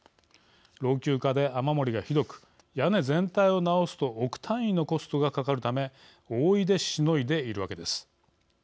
老朽化で雨漏りがひどく屋根全体を直すと億単位のコストがかかるため覆いでしのいでいるわけです。